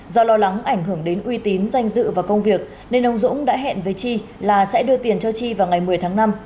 do lo lắng ảnh hưởng đến uy tín danh dự và công việc nên ông dũng đã hẹn với chi là sẽ đưa tiền cho chi vào ngày một mươi tháng năm